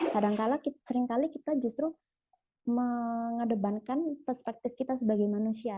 kadangkala seringkali kita justru mengedepankan perspektif kita sebagai manusia